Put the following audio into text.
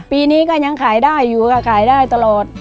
ปีนี้ก็ยังขายได้อยู่ค่ะขายได้ตลอด